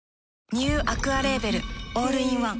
ニューアクアレーベルオールインワン